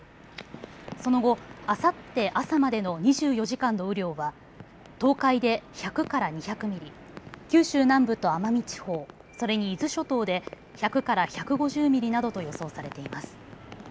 その後、あさって朝までの２４時間の雨量は東海で１００から２００ミリ、九州南部と奄美地方、それに伊豆諸島で１００から１５０ミリなどと予想されています。